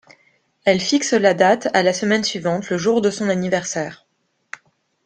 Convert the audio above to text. Elle fixe la date à la semaine suivante, le jour de son anniversaire.